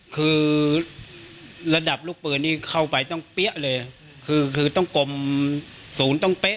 คือระดับลูกปืนนี่เข้าไปต้องเปี้ยเลยคือคือต้องกลมศูนย์ต้องเป๊ะ